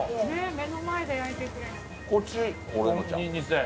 目の前で焼いてくれる。